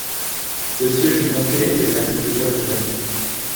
Le siège du comté est la ville de Jasper.